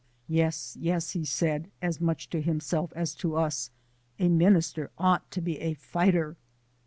"Yes, yes," he said, as much to himself as to us, "a minister ought to be a fighter!"